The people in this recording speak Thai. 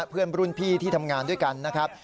เพื่อนรุ่นพี่ที่ทำงานด้วยกันนะครับ